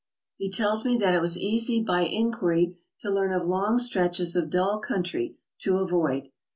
He tells ime that it was easy by inquiry to learn of long stretches of dull country to avoid.